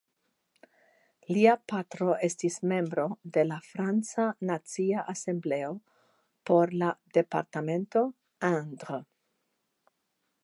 Lia patro estis membro de la franca Nacia Asembleo por la departemento Indre.